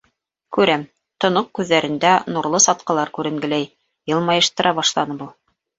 Күрәм, тоноҡ күҙҙәрендә нурлы сатҡылар күренгеләй, йылмайыштыра башланы был.